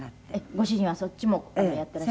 ご主人はそっちもやってらっしゃった。